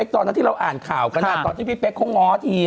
ตอนที่เราอ่านข่าวถ้าตอนที่พี่เป๊ะคงง้อเถี๊ย